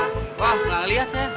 wah gak liat sayang